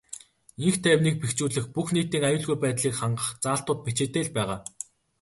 Энх тайвныг бэхжүүлэх, бүх нийтийн аюулгүй байдлыг хангах заалтууд бичээтэй л байгаа.